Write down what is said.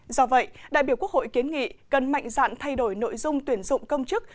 do vậy đại biểu quốc hội kiến nghị cần mạnh dạn thay đổi nội dung tuyển dụng công chức